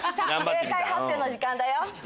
正解発表の時間だよ。